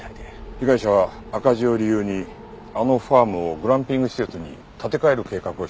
被害者は赤字を理由にあのファームをグランピング施設に建て替える計画をしていたそうだ。